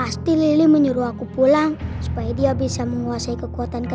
sampai jumpa di video selanjutnya